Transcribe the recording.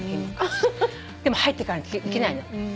でも入っていかなきゃいけないのよ。